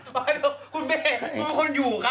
คุณพี่เอกคุณคนอยู่ค่ะ